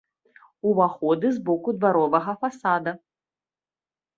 Уваходы з боку дваровага фасада.